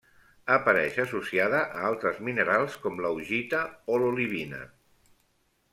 Apareix associada a altres minerals com l'augita o l'olivina.